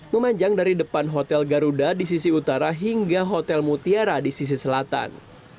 memanjang dari depan hotel garuda di sisi utara hingga hotel mutiara di sisi selatan